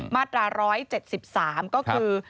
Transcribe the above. มาตรา๑๗๓ก็คือ